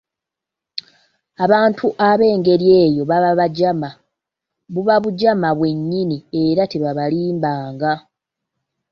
Abantu ab'engeri eyo baba bajama, buba bujama, bwe nyinni, era tebabalimbanga.